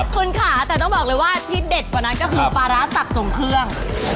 คุณค่ะแต่ต้องบอกเลยว่าที่เด็ดกว่านั้นก็คือปลาร้าสักส่งเครื่อง